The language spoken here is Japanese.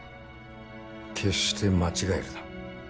決して間違えるな。